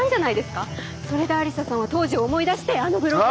それで愛理沙さんは当時を思い出してあのブログを。